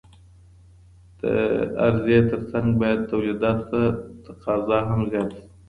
د عرضې ترڅنګ بايد توليداتو ته تقاضا هم زياته سي.